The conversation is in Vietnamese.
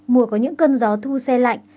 mùa có những cơn gió thu xe lạnh